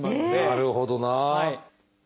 なるほどな。